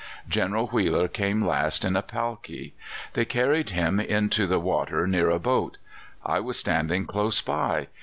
General Wheeler came last in a palkee. They carried him into the water near a boat. I was standing close by.